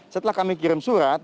setelah kami kirim surat